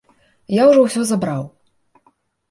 Я ўжо ўсё забраў!